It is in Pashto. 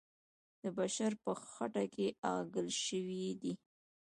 د بشر په خټه کې اغږل سوی دی.